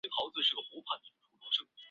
人类聚集居住的地方